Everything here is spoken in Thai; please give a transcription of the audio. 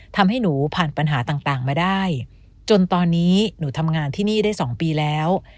ทำให้หนูผ่านปัญหาต่างมาได้จนตอนนี้หนูทำงานที่นี่ได้๒ปีแล้ว